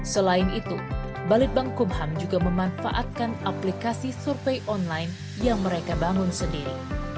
selain itu balitbang kumham juga memanfaatkan aplikasi survei online yang mereka bangun sendiri